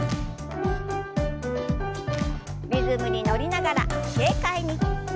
リズムに乗りながら軽快に。